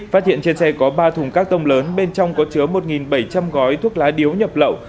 phát hiện trên xe có ba thùng các tông lớn bên trong có chứa một bảy trăm linh gói thuốc lá điếu nhập lậu